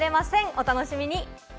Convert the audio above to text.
お楽しみに。